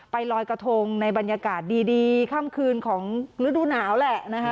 ไปลอยกระทงในบรรยากาศดีกล้ามคืนของฤดูหนาวแหละ